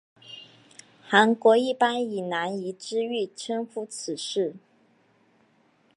韩国一般以南怡之狱称呼此事。